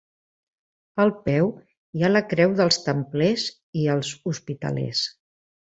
Al peu hi ha la creu dels templers i els hospitalers.